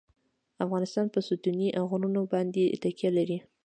افغانستان په ستوني غرونه باندې تکیه لري.